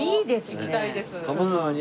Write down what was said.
行きたいです。